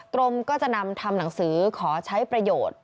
กรมก็จะนำทำหนังสือขอใช้ประโยชน์